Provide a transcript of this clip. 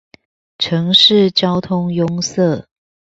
城市交通壅塞